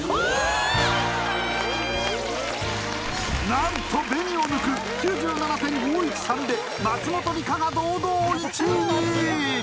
何とＢＥＮＩを抜く９７．５１３で松本梨香が堂々１位に！